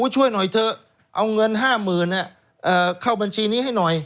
ช่วยหน่อยเถอะเอาเงิน๕๐๐๐เข้าบัญชีนี้ให้หน่อย